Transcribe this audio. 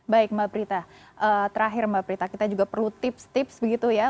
baik mbak prita terakhir mbak prita kita juga perlu tips tips begitu ya